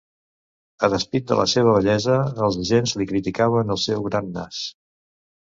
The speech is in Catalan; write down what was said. A despit de la seva bellesa, els agents li criticaven el seu gran nas.